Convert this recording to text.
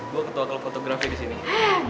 gue ketua kel fotografi disini